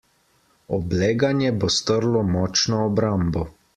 Obleganje bo strlo močno obrambo.